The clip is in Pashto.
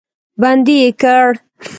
بندي یې کړ.